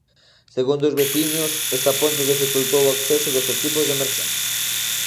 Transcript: Segundos os veciños, esta ponte dificultou o acceso dos equipos de emerxencia.